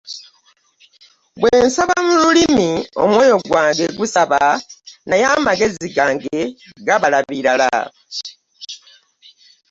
Bwe nsaba mu lulimi, omwoyo wange gusaba, naye amagezi gange egabala bibala.